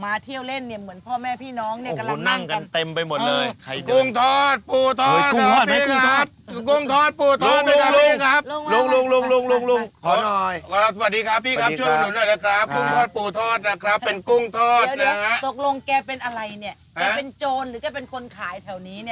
มาเที่ยวเล่นเนี่ยเหมือนพ่อแม่พี่น้องเนี่ยกำลังนั่งกัน